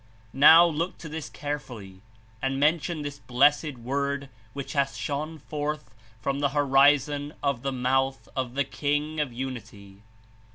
Now look to this carefully, and mention this blessed Word which hath shone forth from the horizon of the mouth of the King of Unity.